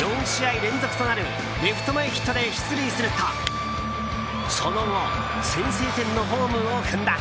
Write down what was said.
４試合連続となるレフト前ヒットで出塁するとその後、先制点のホームを踏んだ。